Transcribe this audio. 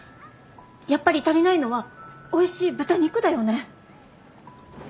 やっぱり足りないのはおいしい豚肉だよね。